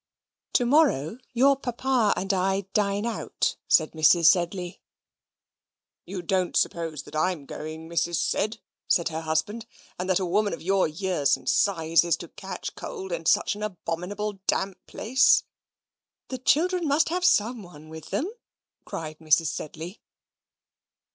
"To morrow your Papa and I dine out," said Mrs. Sedley. "You don't suppose that I'm going, Mrs. Sed?" said her husband, "and that a woman of your years and size is to catch cold, in such an abominable damp place?" "The children must have someone with them," cried Mrs. Sedley.